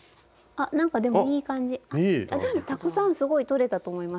でもたくさんすごいとれたと思いますよ。